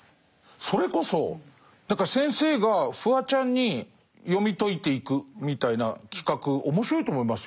それこそ先生がフワちゃんに読み解いていくみたいな企画面白いと思いますよ。